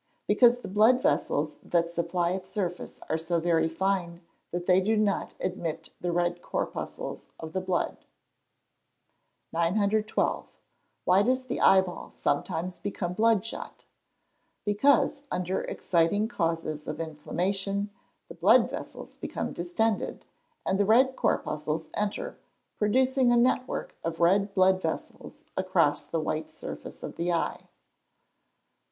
_ Because the blood vessels that supply its surface are so very fine that they do not admit the red corpuscles of the blood. 912. Why does the eyeball sometimes become blood shot? Because, under exciting causes of inflammation, the blood vessels become distended, and the red corpuscles enter, producing a net work of red blood vessels across the white surface of the eye. 913.